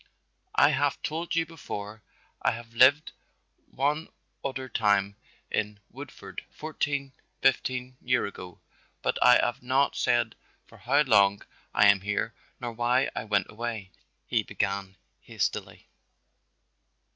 "I haf told you before, I haf lived one oder time in Woodford, fourteen, fifteen year ago, but I haf not said for how long I am here nor why I went away," he began hastily.